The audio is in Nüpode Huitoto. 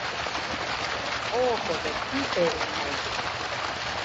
Ogodo jiferunaide